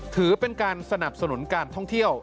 ถือเป็นการสนับสนุนการท่องเที่ยว